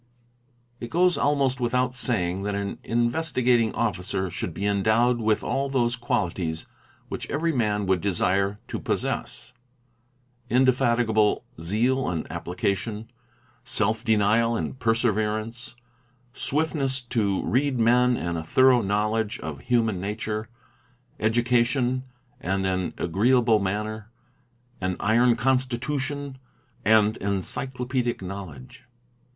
It goes almost without saying that an Investigating Officer should be endowed with all those qualities which every man would desire to possess—indefatigible zeal and application, self denial and perseverance, swiftness to read men and a thorough knowledge of human nature, edu cation and an agreeable manner, an iron constitution, and encyclopaedic knowledge.